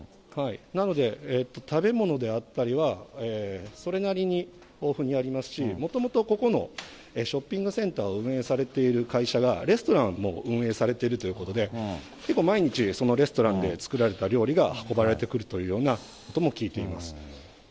なので、食べ物であったりは、それなりに豊富にありますし、もともと、ここのショッピングセンターを運営されている会社が、レストランも運営されているということで、結構、毎日そのレストランで作られた料理が運ばれてくるというようなことも聞いています。